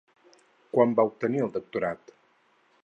Quan va obtenir el doctorat?